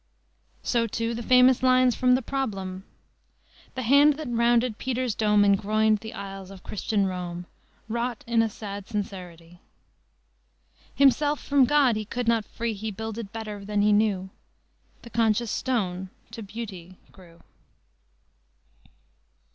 '" So, too, the famous lines from the Problem: "The hand that rounded Peter's dome, And groined the aisles of Christian Rome, Wrought in a sad sincerity. Himself from God he could not free; He builded better than he knew; The conscious stone to beauty grew."